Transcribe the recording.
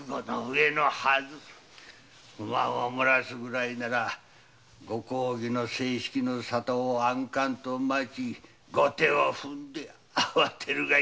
不満をもらすぐらいならご公儀の正式の沙汰を安閑と待ち後手を踏んで慌てるがよいのだ。